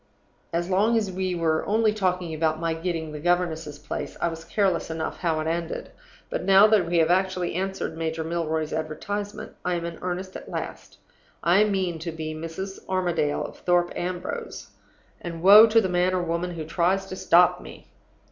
As long as we were only talking about my getting the governess's place, I was careless enough how it ended. But now that we have actually answered Major Milroy's advertisement, I am in earnest at last. I mean to be Mrs. Armadale of Thorpe Ambrose; and woe to the man or woman who tries to stop me!